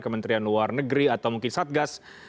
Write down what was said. kementerian luar negeri atau mungkin satgas